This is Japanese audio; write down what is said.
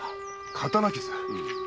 刀傷。